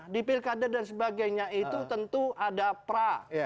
di pilkada dan sebagainya itu tentu ada pra